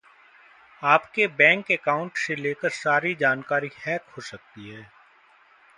आपके bank account से लेकर सारी जानकारी हैक हो सकती है